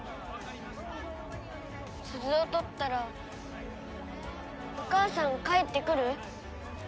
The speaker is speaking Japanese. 鈴を取ったらお母さん帰ってくる？